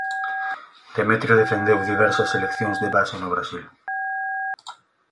Demétrio defendeu diversas seleccións de base do Brasil.